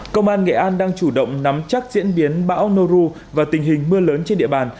công an nghệ an đang chủ động nắm chắc diễn biến bão noru và tình hình mưa lớn trên địa bàn